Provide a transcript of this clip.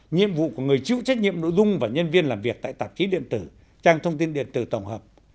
nhiệm vụ của người chịu trách nhiệm nội dung và nhân viên làm việc tại tạp chí điện tử trang thông tin điện tử tổng hợp